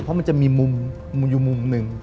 เพราะมันจะมีมุมอยู่มุมหนึ่ง